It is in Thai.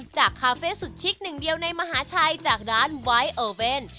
คาเฟ่สุดชิคหนึ่งเดียวในมหาชัยจากร้านไวท์โอเว่น